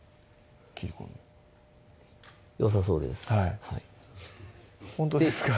切り込みよさそうですほんとですか？